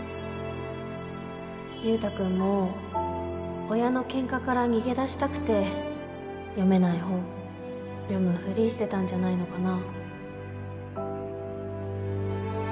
優太くんも親の喧嘩から逃げ出したくて読めない本読むふりしてたんじゃないのかな。